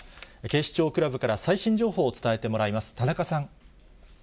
警視庁クラブから最新情報を伝えてもらいます。